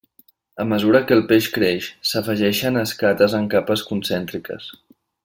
A mesura que el peix creix, s’afegeixen escates en capes concèntriques.